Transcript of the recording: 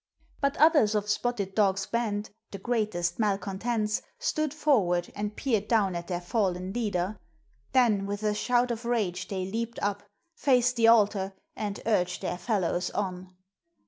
But others of Spotted Dog's band, the greatest malcontents, stood forward and peered down at their fallen leader; then with a shout of rage they leaped up, faced the altar, and urged their fellows on.